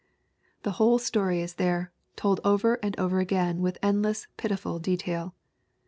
The whole story is there, told HONORE WILLSIE 351 over and over again with endless, pitiful detail.